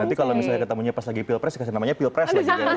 nanti kalau misalnya ketemunya pas lagi pilpres dikasih namanya pilpres lagi